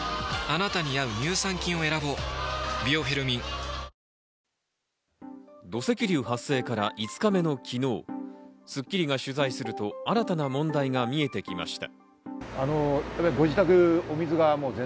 実はですね、この区域では土石流発生から５日目の昨日、『スッキリ』が取材すると新たな問題が見えてきました。